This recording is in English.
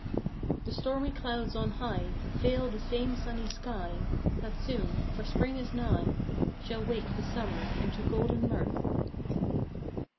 The stormy clouds on high Veil the same sunny sky. That soon (for spring is nigh) Shall wake the summer into golden mirth.